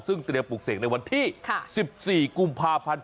ซึ่งเตรียมปลูกเสกในวันที่๑๔กุมภาพันธ์